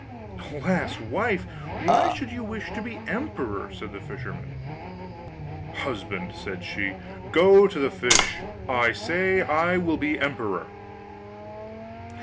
'Alas, wife! why should you wish to be emperor?' said the fisherman. 'Husband,' said she, 'go to the fish! I say I will be emperor.